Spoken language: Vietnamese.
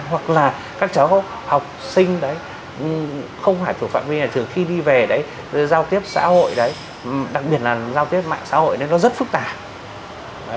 hoặc là các cháu học sinh không hải phục phạm vi này thường khi đi về đấy giao tiếp xã hội đấy đặc biệt là giao tiếp mạng xã hội nên nó rất phức tạp